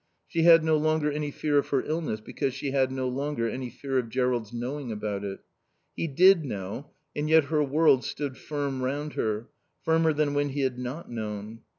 She had no longer any fear of her illness because she had no longer any fear of Jerrold's knowing about it. He did know, and yet her world stood firm round her, firmer than when he had not known.